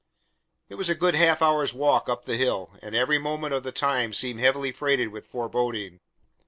It was a good half hour's walk up the hill, and every moment of the time seemed heavily freighted with foreboding.